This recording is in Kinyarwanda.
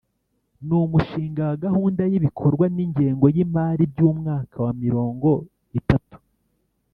n umushinga wa gahunda y ibikorwa n ingengo y imari by umwaka wa mirongo itatu